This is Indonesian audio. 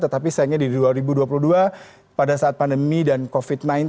tetapi sayangnya di dua ribu dua puluh dua pada saat pandemi dan covid sembilan belas